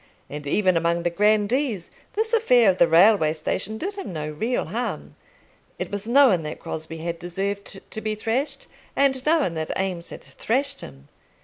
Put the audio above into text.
And even among the grandees this affair of the railway station did him no real harm. It was known that Crosbie had deserved to be thrashed, and known that Eames had thrashed him.